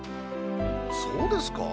そうですか？